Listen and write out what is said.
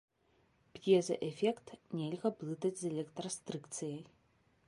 П'езаэфект нельга блытаць з электрастрыкцыяй.